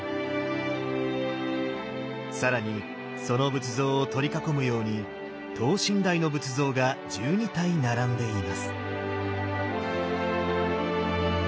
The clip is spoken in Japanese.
更にその仏像を取り囲むように等身大の仏像が１２体並んでいます。